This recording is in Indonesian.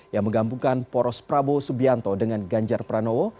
yang menggambungkan poros prabowo subianto dengan ganjar pranowo